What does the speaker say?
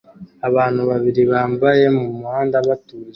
Abantu babiri bagenda mumuhanda batuje